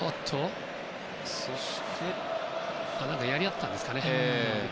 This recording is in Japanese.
何かやり合ったんですかね。